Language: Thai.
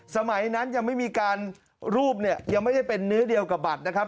สมัยนั้นยังไม่มีการรูปเนี่ยยังไม่ได้เป็นเนื้อเดียวกับบัตรนะครับ